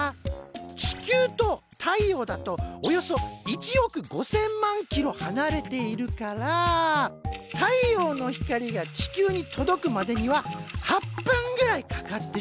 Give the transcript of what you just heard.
地球と太陽だとおよそ１億５，０００万ｋｍはなれているから太陽の光が地球に届くまでには８分ぐらいかかってしまうんだ。